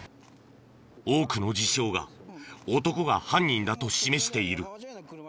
多くの事象が男が犯人だと示している。